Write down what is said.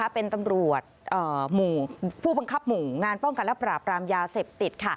เป็นตำรวจผู้บังคับหมู่งานป้องกันและปราบรามยาเสพติด